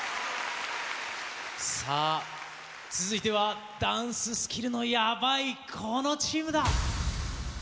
さあ、続いてはダンススキルのやばい、このチームだ。